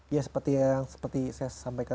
ya seperti yang seperti saya sampaikan